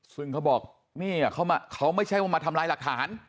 ซึ่งเขาบอกนี่เขาไม่ใช่ว่ามาทำลายหลักฐาน